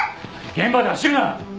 現場で走るな！